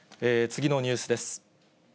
次のニュースです。